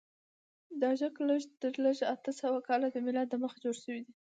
دا سړک لږ تر لږه اته سوه کاله تر میلاد دمخه جوړ شوی دی.